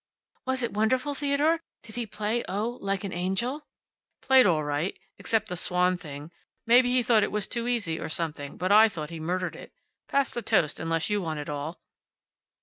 "Was it wonderful, Theodore? Did he play oh like an angel?" "Played all right. Except the `Swan' thing. Maybe he thought it was too easy, or something, but I thought he murdered it. Pass the toast, unless you want it all."